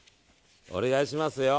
お願いしますよ。